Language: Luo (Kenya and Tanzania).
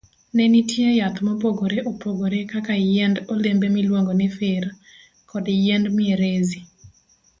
Ne nitie yath mopogore opogore kaka yiend olembe miluongo ni fir, kod yiend mierezi.